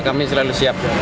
kami selalu siap